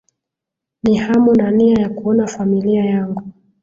ni hamu na nia ya kuona familia yangu